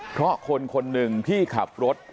เพราะคนคนหนึ่งที่ขับรถ